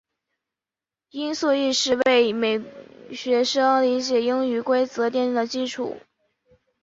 音素意识为学生理解英语规则奠定了基础。